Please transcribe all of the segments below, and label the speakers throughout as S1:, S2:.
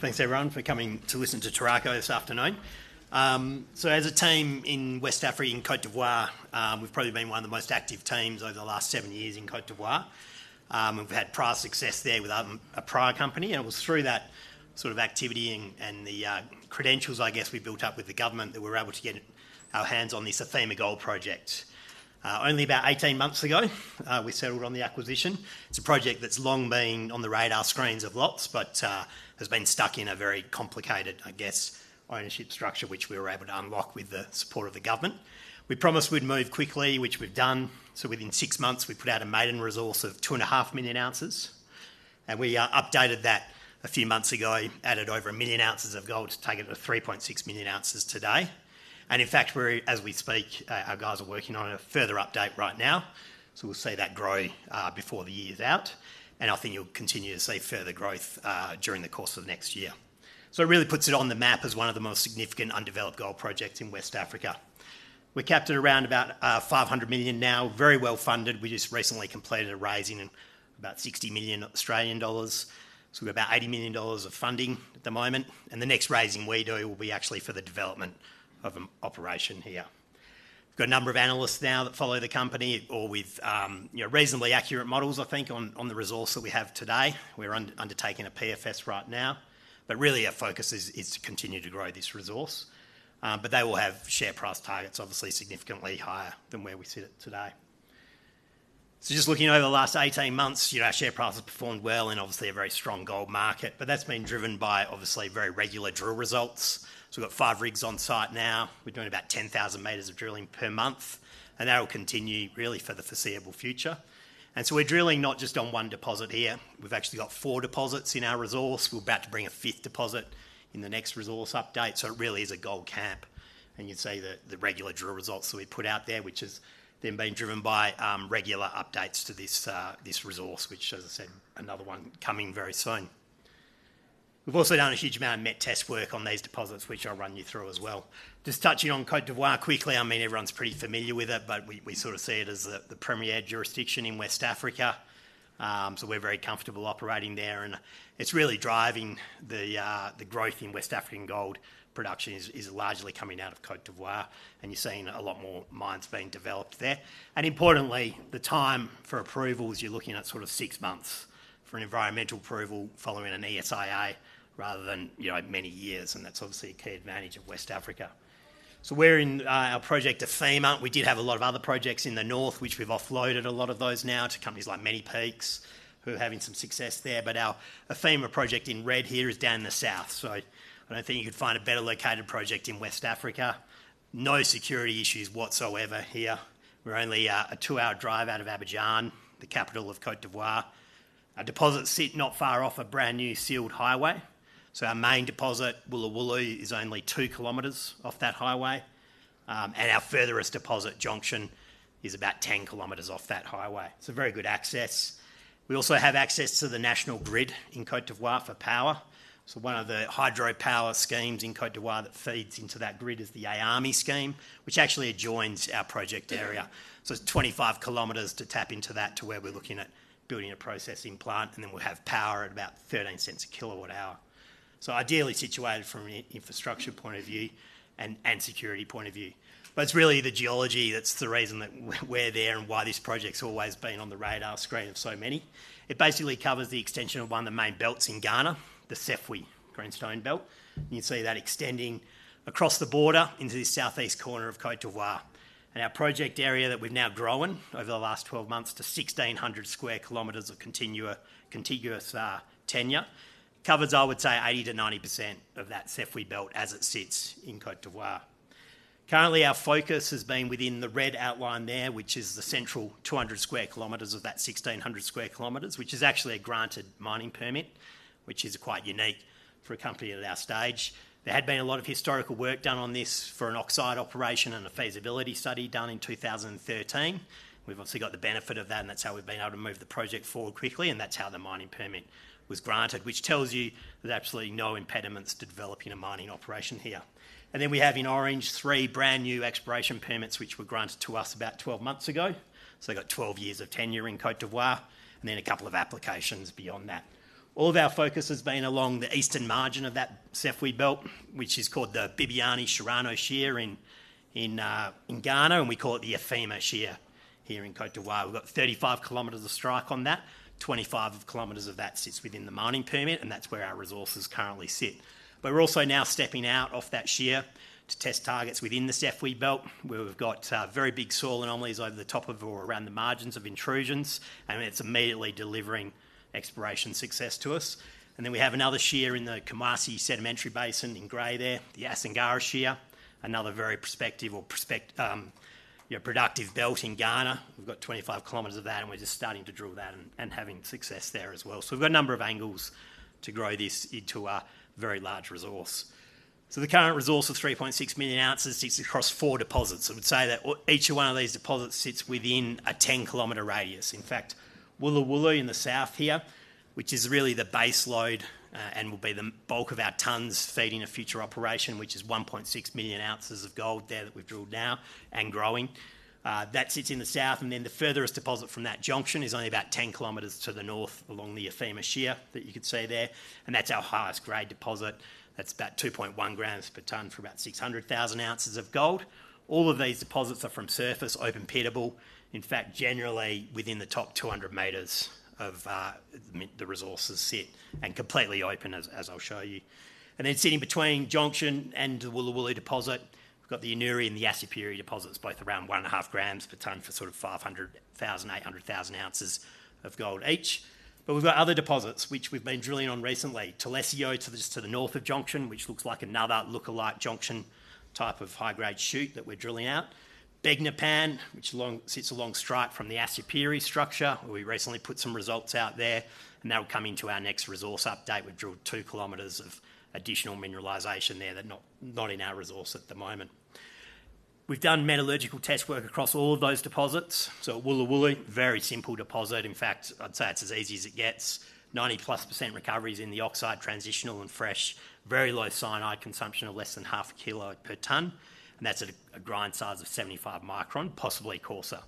S1: Thanks, everyone, for coming to listen to Turaco this afternoon. So, as a team in West Africa, in Côte d'Ivoire, we've probably been one of the most active teams over the last seven years in Côte d'Ivoire. We've had prior success there with a prior company, and it was through that sort of activity and the credentials, I guess, we built up with the government that we were able to get our hands on this Afema Gold Project. Only about 18 months ago, we settled on the acquisition. It's a project that's long been on the radar screens of lots, but has been stuck in a very complicated, I guess, ownership structure, which we were able to unlock with the support of the government. We promised we'd move quickly, which we've done. Within six months, we put out a maiden resource of 2.5 million ounces, and we updated that a few months ago, added over 1 million ounces of gold, taking it to 3.6 million ounces today. In fact, as we speak, our guys are working on a further update right now, so we'll see that grow before the year's out. I think you'll continue to see further growth during the course of the next year. It really puts it on the map as one of the most significant undeveloped gold projects in West Africa. We're capped at around about 500 million now, very well funded. We just recently completed a raise in about 60 million Australian dollars. We've got about 80 million dollars of funding at the moment, and the next raising we do will be actually for the development of an operation here. We've got a number of analysts now that follow the company or with reasonably accurate models, I think, on the resource that we have today. We're undertaking a PFS right now, but really our focus is to continue to grow this resource. But they will have share price targets, obviously significantly higher than where we sit at today. Just looking over the last 18 months, our share price has performed well in obviously a very strong gold market, but that's been driven by obviously very regular drill results. We've got five rigs on site now. We're doing about 10,000 meters of drilling per month, and that will continue really for the foreseeable future. And so, we're drilling not just on one deposit here. We've actually got four deposits in our resource. We're about to bring a fifth deposit in the next resource update. So, it really is a gold camp. And you'd say the regular drill results that we put out there, which has then been driven by regular updates to this resource, which, as I said, another one coming very soon. We've also done a huge amount of met test work on these deposits, which I'll run you through as well. Just touching on Côte d'Ivoire quickly, I mean, everyone's pretty familiar with it, but we sort of see it as the premier jurisdiction in West Africa. So, we're very comfortable operating there, and it's really driving the growth in West African gold production, which is largely coming out of Côte d'Ivoire, and you're seeing a lot more mines being developed there. Importantly, the time for approvals, you're looking at sort of six months for an environmental approval following an ESIA rather than many years, and that's obviously a key advantage of West Africa. We're in our Afema project. We did have a lot of other projects in the north, which we've offloaded a lot of those now to companies like Many Peaks, who are having some success there. But our Afema project in red here is down in the south, so I don't think you could find a better located project in West Africa. No security issues whatsoever here. We're only a two-hour drive out of Abidjan, the capital of Côte d'Ivoire. Our deposits sit not far off a brand new sealed highway. Our main deposit, Woulo Woulo, is only two km off that highway, and our farthest deposit, Jonction, is about 10 km off that highway. So, very good access. We also have access to the national grid in Côte d'Ivoire for power. So, one of the hydro power schemes in Côte d'Ivoire that feeds into that grid is the Ayamé scheme, which actually adjoins our project area. So, it's 25 km to tap into that to where we're looking at building a processing plant, and then we'll have power at about 0.13 per kW hour. So, ideally situated from an infrastructure point of view and security point of view. But it's really the geology that's the reason that we're there and why this project's always been on the radar screen of so many. It basically covers the extension of one of the main belts in Ghana, the Sefwi Greenstone Belt. You can see that extending across the border into the southeast corner of Côte d'Ivoire. Our project area that we've now grown over the last 12 months to 1,600 sq km of continuous tenure covers, I would say, 80%-90% of that Sefwi belt as it sits in Côte d'Ivoire. Currently, our focus has been within the red outline there, which is the central 200 sq km of that 1,600 sq km, which is actually a granted mining permit, which is quite unique for a company at our stage. There had been a lot of historical work done on this for an oxide operation and a feasibility study done in 2013. We've obviously got the benefit of that, and that's how we've been able to move the project forward quickly, and that's how the mining permit was granted, which tells you there's absolutely no impediments to developing a mining operation here. And then we have in orange three brand new exploration permits which were granted to us about 12 months ago. So, they've got 12 years of tenure in Côte d'Ivoire, and then a couple of applications beyond that. All of our focus has been along the eastern margin of that Sefwi belt, which is called the Bibiani-Shirano Shear in Ghana, and we call it the Afema Shear here in Côte d'Ivoire. We've got 35 km of strike on that. 25 km of that sits within the mining permit, and that's where our resources currently sit. But we're also now stepping out off that shear to test targets within the Sefwi belt, where we've got very big soil anomalies over the top of or around the margins of intrusions, and it's immediately delivering exploration success to us. And then we have another shear in the Kumasi Basin in grey there, the Asankrangwa Shear, another very prospective or productive belt in Ghana. We've got 25 km of that, and we're just starting to drill that and having success there as well. So, we've got a number of angles to grow this into a very large resource. So, the current resource of 3.6 million ounces sits across four deposits. I would say that each one of these deposits sits within a 10-km radius. In fact, Woulo Woulo in the south here, which is really the base load and will be the bulk of our tons feeding a future operation, which is 1.6 million ounces of gold there that we've drilled now and growing. That sits in the south, and then the furthest deposit from that Jonction is only about 10 km to the north along the Afema shear that you could see there, and that's our highest grade deposit. That's about 2.1 grams per ton for about 600,000 ounces of gold. All of these deposits are from surface, open-pittable. In fact, generally within the top 200 meters of the resources sit and completely open, as I'll show you. And then sitting between Jonction and the Woulo Woulo deposit, we've got the Anuiri and the Asupiri deposits, both around one and a half grams per ton for sort of 500,000-800,000 ounces of gold each. But we've got other deposits which we've been drilling on recently: Toilesso to the north of Jonction, which looks like another lookalike Jonction type of high-grade chute that we're drilling out. Begnopan, which sits along strike from the Asupiri structure, where we recently put some results out there, and that will come into our next resource update. We've drilled two km of additional mineralization there that are not in our resource at the moment. We've done metallurgical test work across all of those deposits. So, Woulo Woulo, very simple deposit. In fact, I'd say it's as easy as it gets. 90-plus% recovery is in the oxide, transitional and fresh, very low cyanide consumption of less than half a kilo per tonne, and that's at a grind size of 75 micron, possibly coarser.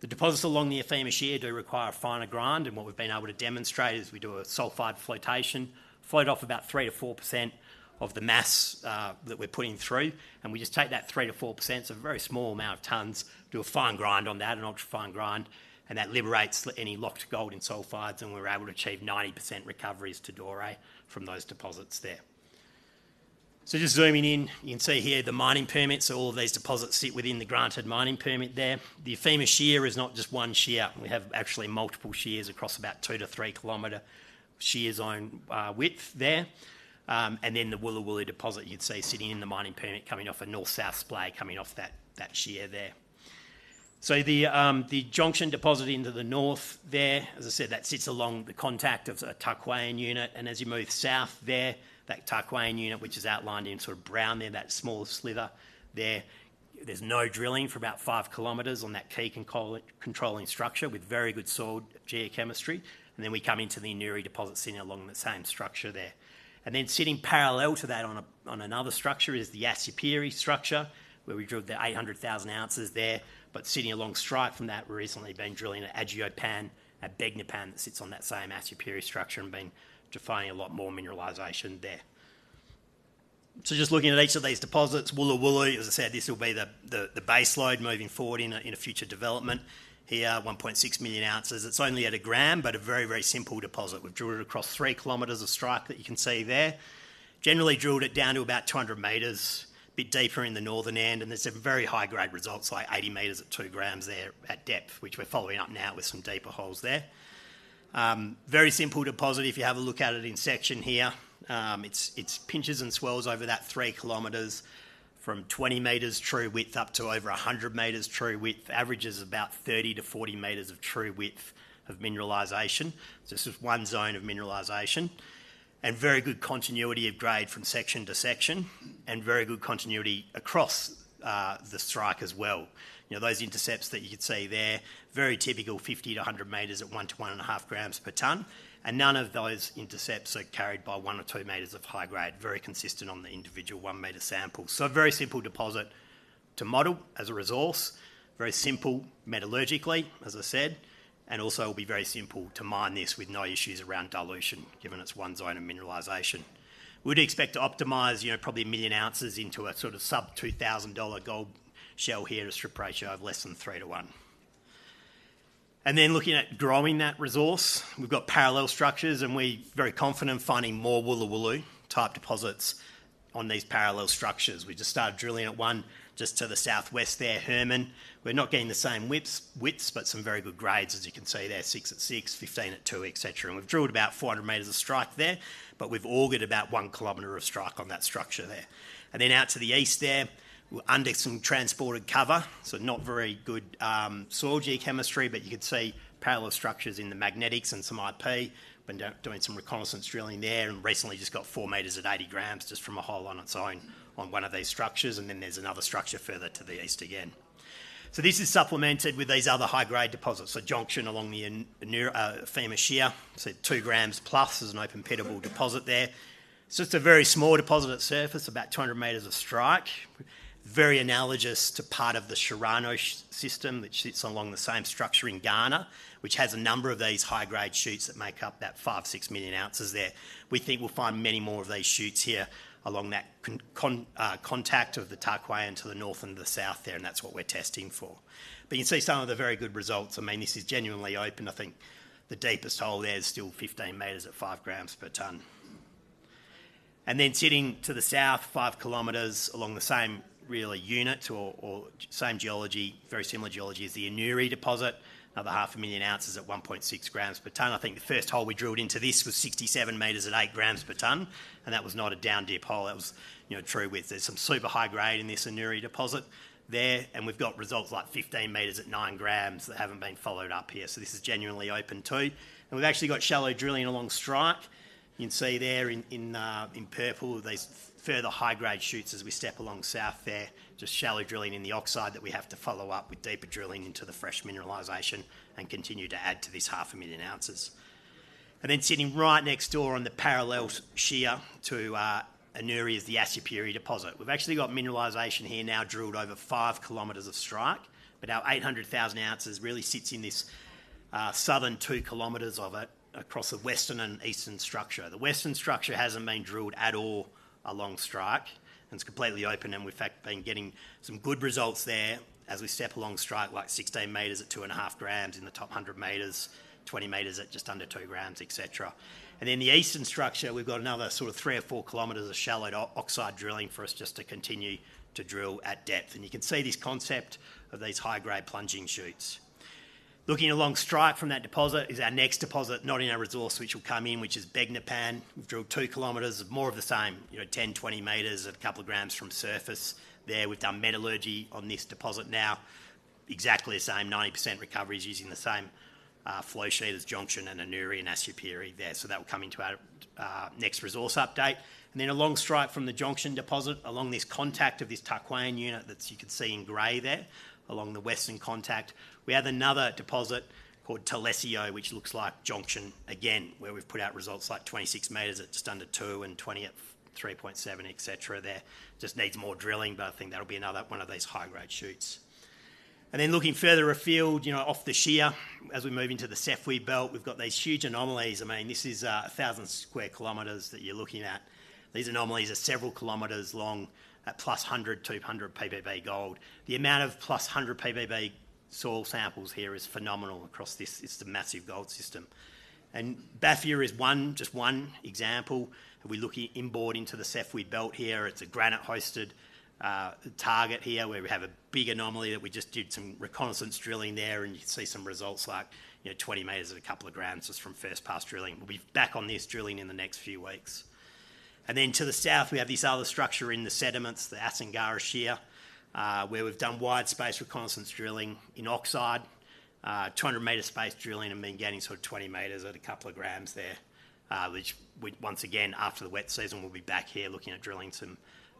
S1: The deposits along the Afema shear do require a finer grind, and what we've been able to demonstrate is we do a sulfide flotation, float off about 3%-4% of the mass that we're putting through, and we just take that 3%-4%, so a very small amount of tonnes, do a fine grind on that, an ultra-fine grind, and that liberates any locked gold in sulfides, and we're able to achieve 90% recoveries to doré from those deposits there. So, just zooming in, you can see here the mining permits. All of these deposits sit within the granted mining permit there. The Afema shear is not just one shear. We have actually multiple shears across about two to three km shear zone width there, and then the Woulo Woulo deposit you'd see sitting in the mining permit coming off a north-south splay coming off that shear there. So, the Jonction deposit into the north there, as I said, that sits along the contact of a Tarkwaian unit, and as you move south there, that Tarkwaian unit, which is outlined in sort of brown there, that small sliver there, there's no drilling for about five km on that key controlling structure with very good soil geochemistry, and then we come into the Anuiri deposit sitting along the same structure there. And then sitting parallel to that on another structure is the Asupiri structure, where we drilled the 800,000 ounces there, but sitting along strike from that, we've recently been drilling at Adiopan at Begnopan that sits on that same Asupiri structure and been defining a lot more mineralization there. So, just looking at each of these deposits, Woulo Woulo, as I said, this will be the base load moving forward in a future development here, 1.6 million ounces. It's only at a gram, but a very, very simple deposit. We've drilled it across three km of strike that you can see there. Generally drilled it down to about 200 meters, a bit deeper in the northern end, and there's some very high-grade results, like 80 meters at two grams there at depth, which we're following up now with some deeper holes there. Very simple deposit. If you have a look at it in section here, it's pinches and swells over that three km from 20 meters true width up to over 100 meters true width. Averages about 30 to 40 meters of true width of mineralization. So, this is one zone of mineralization and very good continuity of grade from section to section and very good continuity across the strike as well. Those intercepts that you could see there, very typical 50 to 100 meters at one to one and a half grams per ton, and none of those intercepts are carried by one or two meters of high grade, very consistent on the individual one meter sample. So, a very simple deposit to model as a resource, very simple metallurgically, as I said, and also will be very simple to mine this with no issues around dilution, given it's one zone of mineralization. We'd expect to optimize probably a million ounces into a sort of sub-AUD 2,000 gold shell here at a strip ratio of less than three to one. And then looking at growing that resource, we've got parallel structures, and we're very confident in finding more Woulo Woulo type deposits on these parallel structures. We just started drilling at one just to the southwest there, Hermann. We're not getting the same widths, but some very good grades, as you can see there, six at six, 15 at two, et cetera. And we've drilled about 400 meters of strike there, but we've augered about one km of strike on that structure there. And then out to the east there, under some transported cover, so not very good soil geochemistry, but you could see parallel structures in the magnetics and some IP. Been doing some reconnaissance drilling there and recently just got four meters at 80 grams just from a hole on its own on one of these structures, and then there's another structure further to the east again. So, this is supplemented with these other high-grade deposits. So, Jonction along the Afema Shear, so two grams plus is an open-pittable deposit there. So, it's a very small deposit at surface, about 200 meters of strike, very analogous to part of the Shirano system which sits along the same structure in Ghana, which has a number of these high-grade chutes that make up that five, six million ounces there. We think we'll find many more of these shoots here along that contact of the Tarkwaian to the north and the south there, and that's what we're testing for. But you can see some of the very good results. I mean, this is genuinely open. I think the deepest hole there is still 15 meters at five grams per ton. And then sitting to the south, five km along the same really unit or same geology, very similar geology as the Anuiri deposit, another 500,000 ounces at 1.6 grams per ton. I think the first hole we drilled into this was 67 meters at eight grams per ton, and that was not a down deep hole. That was true with some super high grade in this Anuiri deposit there, and we've got results like 15 meters at nine grams that haven't been followed up here. This is genuinely open too. We've actually got shallow drilling along strike. You can see there in purple these further high-grade shoots as we step along south there, just shallow drilling in the oxide that we have to follow up with deeper drilling into the fresh mineralization and continue to add to these 500,000 ounces. Then sitting right next door on the parallel shear to Anuiri is the Asupiri deposit. We've actually got mineralization here now drilled over five km of strike, but our 800,000 ounces really sits in this southern two km of it across the western and eastern structure. The western structure hasn't been drilled at all along strike, and it's completely open, and we've been getting some good results there as we step along strike like 16 meters at two and a half grams in the top 100 meters, 20 meters at just under two grams, et cetera. Then the eastern structure, we've got another sort of three or four km of shallow oxide drilling for us just to continue to drill at depth. You can see this concept of these high-grade plunging chutes. Looking along strike from that deposit is our next deposit, not in our resource, which will come in, which is Begnopan. We've drilled two km of more of the same, 10, 20 meters at a couple of grams from surface there. We've done metallurgy on this deposit now, exactly the same, 90% recovery is using the same flow sheet as Jonction and Anuiri and Asupiri there. So, that will come into our next resource update, and then along strike from the Jonction deposit, along this contact of this Tarkwaian unit that you could see in grey there, along the western contact, we have another deposit called Toilesso, which looks like Jonction again, where we've put out results like 26 meters at just under two and 20 at 3.7, et cetera there. Just needs more drilling, but I think that'll be another one of these high-grade chutes, and then looking further afield off the shear, as we move into the Sefwi belt, we've got these huge anomalies. I mean, this is 1,000 square km that you're looking at. These anomalies are several km long at plus 100-200 ppb gold. The amount of plus 100 ppb soil samples here is phenomenal across this. It's a massive gold system, and Baffia is just one example. We're looking inboard into the Sefwi belt here. It's a granite-hosted target here where we have a big anomaly that we just did some reconnaissance drilling there, and you can see some results like 20 meters at a couple of grams just from first-pass drilling. We'll be back on this drilling in the next few weeks. Then to the south, we have this other structure in the sediments, the Asankrangwa Shear, where we've done wide-space reconnaissance drilling in oxide, 200-meter space drilling, and been getting sort of 20 meters at a couple of grams there, which once again, after the wet season, we'll be back here looking at drilling some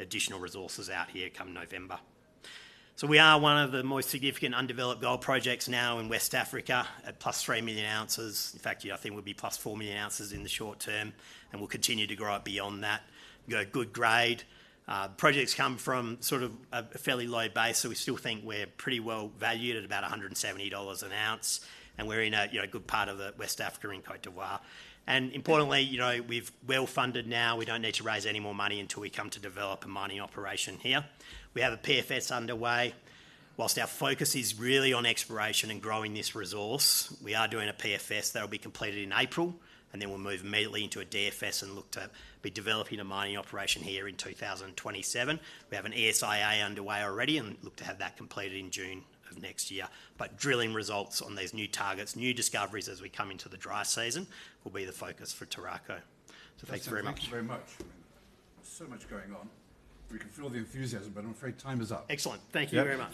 S1: additional resources out here come November. We are one of the most significant undeveloped gold projects now in West Africa at plus 3 million ounces. In fact, I think we'll be plus 4 million ounces in the short term, and we'll continue to grow it beyond that. We've got a good grade. Projects come from sort of a fairly low base, so we still think we're pretty well valued at about 170 dollars an ounce, and we're in a good part of the West Africa in Côte d'Ivoire. Importantly, we've well funded now. We don't need to raise any more money until we come to develop a mining operation here. We have a PFS underway. While our focus is really on exploration and growing this resource, we are doing a PFS that will be completed in April, and then we'll move immediately into a DFS and look to be developing a mining operation here in 2027. We have an ESIA underway already and look to have that completed in June of next year, but drilling results on these new targets, new discoveries as we come into the dry season will be the focus for Turaco, so thanks very much.
S2: Thank you very much. So much going on. We can feel the enthusiasm, but I'm afraid time is up.
S1: Excellent. Thank you very much.